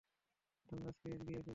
Thanraj, please গিয়ে ওকে বুঝা।